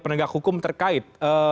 penegak hukum terkait